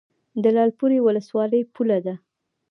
د لعل پورې ولسوالۍ پوله ده